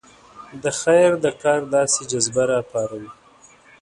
د خیر د کار داسې جذبه راپاروي.